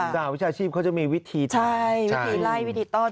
หวิชาชีพเขาจะมีวิธีใช่วิธีไล่วิธีต้อน